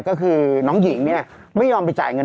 ก็คือน้องหญิงเนี่ยไม่ยอมไปจ่ายเงิน